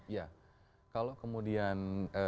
ya kalau kemudian